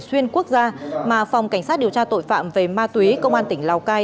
xuyên quốc gia mà phòng cảnh sát điều tra tội phạm về ma túy công an tỉnh lào cai